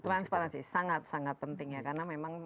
transparansi sangat sangat penting ya karena memang